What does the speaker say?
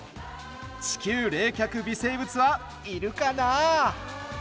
地球冷却微生物はいるかな？